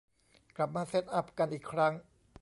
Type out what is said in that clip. กลับมาเซตอัพกันอีกครั้ง